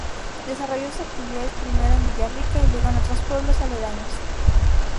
Desarrolló sus actividades primero en Villarrica y luego en otros pueblos aledaños.